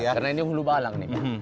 karena ini umlu balang nih